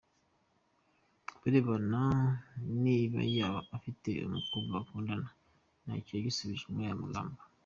Ku birebana niba yaba afite umukobwa bakundana , nacyo yagisubije muri aya magambo.